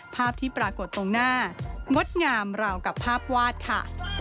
ภาพที่ปรากฏตรงหน้างดงามราวกับภาพวาดค่ะ